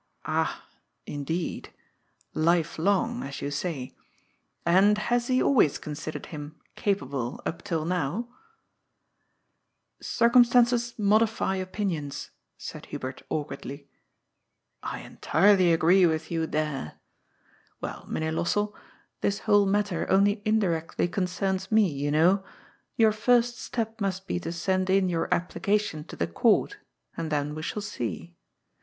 " Ah ! Indeed. Life long, as you say. And has he al ways considered him capable up till now ?"" Circumstances modify opinions," said Hubert awk wardly. " I entirely agree with you there. Well, Mynheer Los 384 GOD'S FOOL. sell, this whole matter only indirectly concerns me, you know. Yonr first step must be to send in yonr application to the Court, and then we shall see.